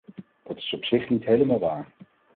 Dat is op zich niet helemaal waar.